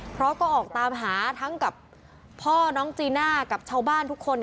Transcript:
เพราะก็ออกตามหาทั้งกับพ่อน้องจีน่ากับชาวบ้านทุกคน